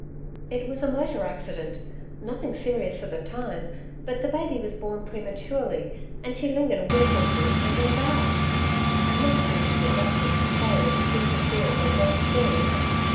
'It was a motor accident nothing serious at the time, but the baby was born prematurely, and she lingered a week or two, and then died. I must do him the justice to say that he seemed to feel her death very much.